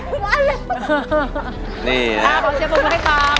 บ้างมาค่ะ